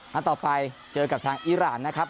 นัดต่อไปเจอกับทางอีรานนะครับ